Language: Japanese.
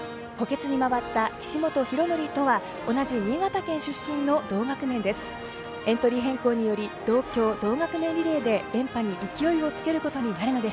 補欠に回った岸本大紀とは同じ新潟県出身の同学年です。